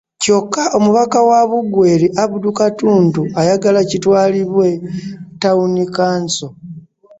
Kyokka omubaka wa Bugweri, Abdul Katuntu ayagala kitwalibwe ttaawuni kkanso